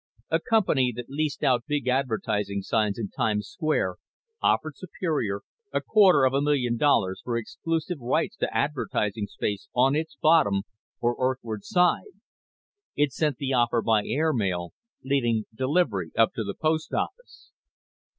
A company that leased out big advertising signs in Times Square offered Superior a quarter of a million dollars for exclusive rights to advertising space on its bottom, or Earthward, side. It sent the offer by air mail, leaving delivery up to the post office.